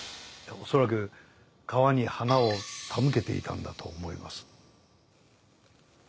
恐らく川に花を手向けていたんだと思います。